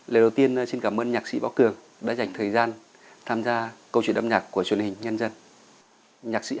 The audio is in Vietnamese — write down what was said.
lời đầu tiên xin cảm ơn nhạc sĩ võ cường đã dành thời gian tham gia câu chuyện âm nhạc của truyền hình nhân dân